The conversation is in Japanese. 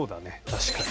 確かに。